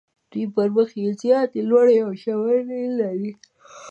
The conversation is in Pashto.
دوی پر مخ یې زیاتې لوړې او ژورې لري.